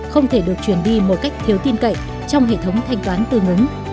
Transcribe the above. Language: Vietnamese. không thể được chuyển đi một cách thiếu tin cậy trong hệ thống thanh toán tư ngứng